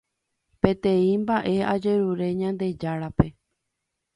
Peteĩ mba'e ajerure Ñandejárape